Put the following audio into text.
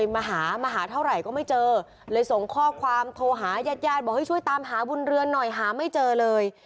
มาหามาหาเท่าไหร่ก็ไม่เจอเลยส่งข้อความโทรหายาดบอกให้ช่วยตามหาบุญเรือนหน่อยหาไม่เจอเลย